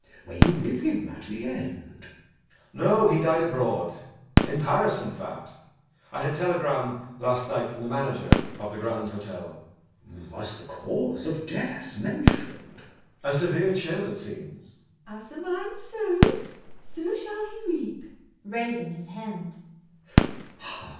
Were you with him at the end? JACK. No. He died abroad; in Paris, in fact. I had a telegram last night from the manager of the Grand Hotel. CHASUBLE. Was the cause of death mentioned? JACK. A severe chill, it seems. MISS PRISM. As a man sows, so shall he reap. CHASUBLE. [Raising his hand.